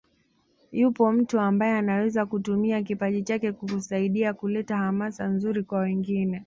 Yupo mtu ambaye anaweza kutumia kipaji chake kikasaidia kuleta hamasa nzuri kwa wengine